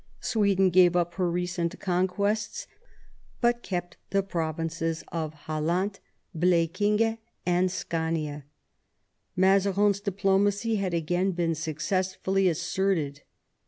Sweden gave up her recent conquests, but kept the provinces of Aland, Bleckingie, and Scania. Mazarin's diplomacy had again been suc cessfully asserted.